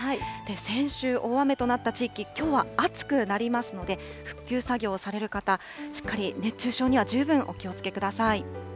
先週、大雨となった地域、きょうは暑くなりますので、復旧作業をされる方、しっかり熱中症には十分お気をつけください。